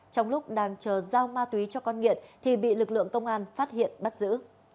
trong lúc đang chờ giao ma túy cho con nghiện thì bị lực lượng công an phát hiện bắt giữ